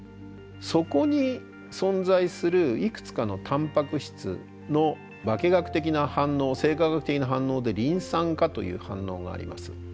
そこに存在するいくつかのタンパク質の化学的な反応生化学的な反応でリン酸化という反応があります。